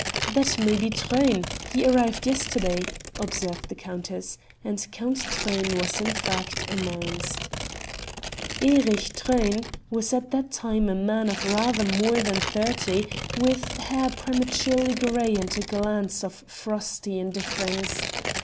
"That may be Truyn, he arrived yesterday," observed the countess, and Count Truyn was in fact announced. Erich Truyn was at that time a man of rather more than thirty with hair prematurely gray and a glance of frosty indifference.